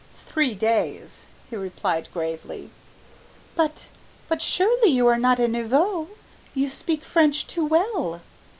"Three days," he replied gravely. "But but surely you are not a nouveau! You speak French too well!"